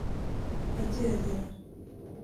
Akihagera